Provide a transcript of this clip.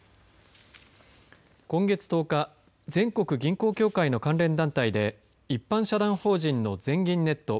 今月１０日全国銀行協会の関連団体で一般社団法人の全銀ネット